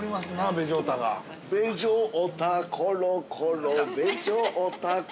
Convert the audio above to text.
◆べジョータころころべジョータこ。